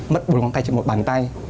mất một bàn tay